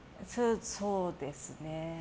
そうですね。